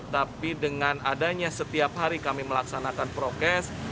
tapi dengan adanya setiap hari kami melaksanakan prokes